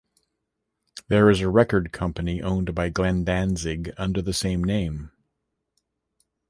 There is a record company owned by Glenn Danzig under the same name.